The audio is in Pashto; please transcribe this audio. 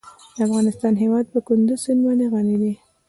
د افغانستان هیواد په کندز سیند باندې غني دی.